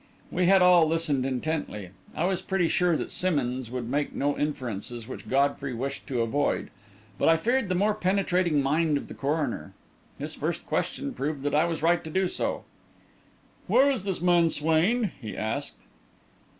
We had all listened intently. I was pretty sure that Simmonds would make no inferences which Godfrey wished to avoid; but I feared the more penetrating mind of the coroner. His first question proved that I was right to do so. "Where is this man Swain?" he asked.